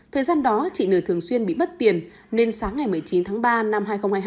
thời gian đó chị nờ thường xuyên bị mất tiền nên sáng ngày một mươi chín tháng ba năm hai nghìn hai mươi hai